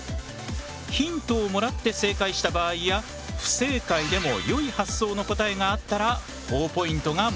ヒントをもらって正解した場合や不正解でも良い発想の答えがあったらほぉポイントがもらえる。